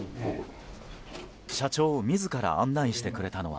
社長自ら案内してくれたのは